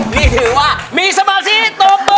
นี่ถือว่ามีสมาธิโตเปอร์